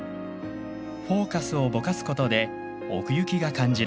フォーカスをぼかすことで奥行きが感じられます。